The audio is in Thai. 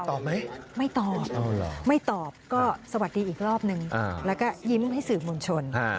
ไม่ตอบไม่ตอบก็สวัสดีอีกรอบนึงแล้วก็ยิ้มให้สื่อมวลชน